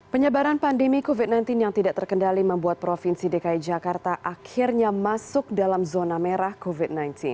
penyebaran pandemi covid sembilan belas yang tidak terkendali membuat provinsi dki jakarta akhirnya masuk dalam zona merah covid sembilan belas